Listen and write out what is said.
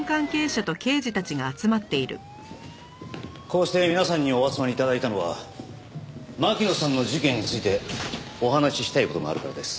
こうして皆さんにお集まり頂いたのは巻乃さんの事件についてお話ししたい事があるからです。